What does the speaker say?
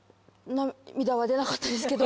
涙は出なかったですけど。